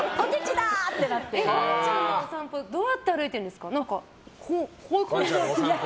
ワンちゃんとのお散歩どうやって歩いてるんですか？